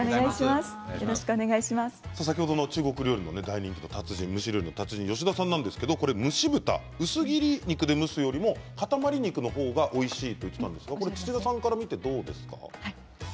先ほどの中国料理の達人蒸し料理の達人の吉田さんなんですけれども、蒸し豚薄切り肉で蒸すよりもかたまり肉の方がおいしいと言っていたんですが土田さんから見てどうですか。